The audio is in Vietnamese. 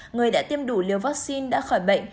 người đã tiêm đủ liều vaccine đã khỏi bệnh